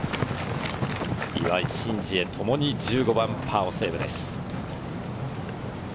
岩井、シン・ジエ、ともに１５番、パーセーブです。